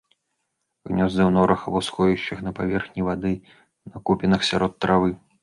Гнёзды ў норах або сховішчах на паверхні вады, на купінах сярод травы.